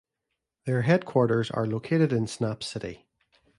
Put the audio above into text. Their headquarters are located in Snap City.